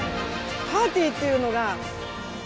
パーティーっていうのが。